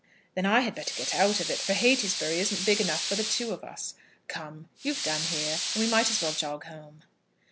"Then I had better get out of it, for Heytesbury isn't big enough for the two of us. Come, you've done here, and we might as well jog home."